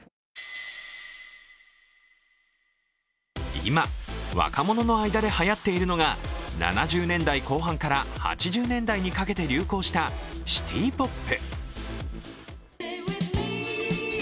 今、若者の間ではやっているのが７０年代後半から８０年代にかけて流行したシティポップ。